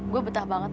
gue betah banget